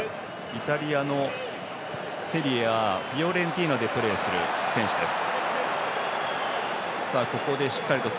イタリアのセリエＡ、フィオレンティーナでプレーする選手です。